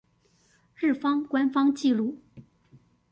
日方官方紀錄